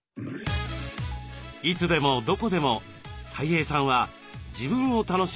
いつでもどこでもたい平さんは自分を楽しむ天才。